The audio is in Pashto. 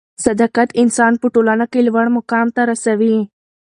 صدافت انسان په ټولنه کښي لوړ مقام ته رسوي.